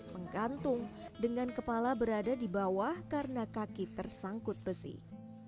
menggantung dengan kepala berada di bawah karena kaki tersangkut besi